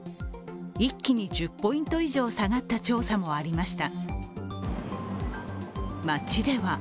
一気に１０ポイント以上、下がった調査もありました。